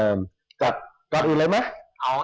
วันนี้เขาเอาสาระดีทางด้านเศรษฐกิจมาฝากให้ผู้ชม